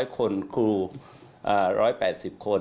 ๓๕๐๐คนครู๑๘๐คน